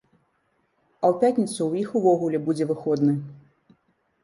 А ў пятніцу ў іх увогуле будзе выходны.